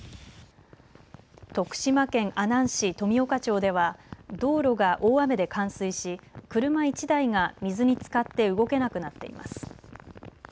徳島県阿南市富岡町では道路が大雨で冠水し車１台が水につかって動けなくなっています。